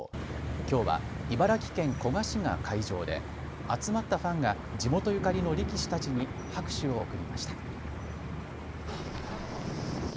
きょうは茨城県古河市が会場で集まったファンが地元ゆかりの力士たちに拍手を送りました。